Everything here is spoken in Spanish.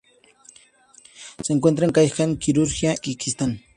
Se encuentra en Kazajistán, Kirguistán y Uzbekistán.